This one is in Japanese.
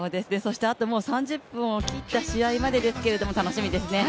あと３０分を切った試合までですけど楽しみですね。